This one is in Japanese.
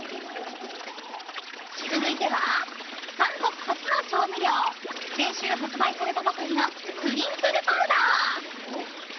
続いては、韓国発の調味料先週発売されたばかりのプリンクルパウダー。